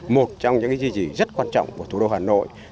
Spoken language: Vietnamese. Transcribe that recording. một trong những di trị rất quan trọng của thủ đô hà nội